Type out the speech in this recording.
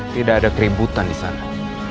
tidak ada keributan di sana